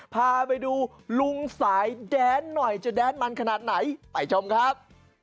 พาไปดูลุงสายแดนหน่อยจะแดนมันขนาดไหนไปชมครับ